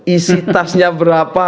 isi tasnya berapa